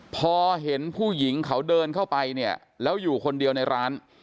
พอเห็นผู้หญิงเขาเดินเข้าไปเนี่ยแล้วอยู่คนเดียวในร้าน